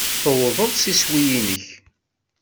Tuwḍeḍ s iswi-nnek.